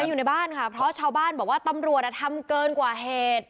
อยู่ในบ้านค่ะเพราะชาวบ้านบอกว่าตำรวจทำเกินกว่าเหตุ